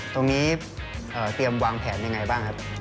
ตรงนี้เตรียมวางแผนอย่างไรบ้างครับ